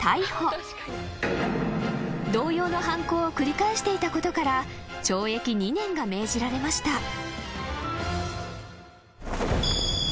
［同様の犯行を繰り返していたことから懲役２年が命じられました］